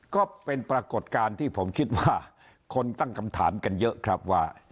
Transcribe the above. ก็เป็นปรากฏการณ์ที่ผมคิดว่าคนตั้งคำถามกันเยอะครับว่า